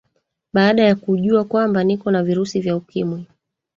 baada ya kujua kwamba niko na virusi vya ukimwi